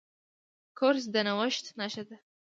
کورس د نوښت نښه ده.